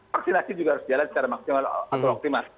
vaksinasi juga harus jalan secara optimal